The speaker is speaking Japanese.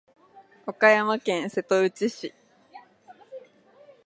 岡山県瀬戸内市